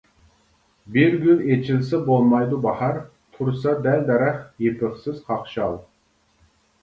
بىر گۈل ئېچىلسا بولمايدۇ باھار، تۇرسا دەل-دەرەخ يېپىقسىز قاقشال.